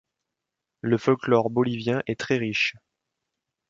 Le folklore Bolivien est très riche.